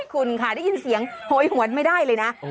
คุณค่ะได้ยินเสียงโหยหวนไม่ได้เลยนะ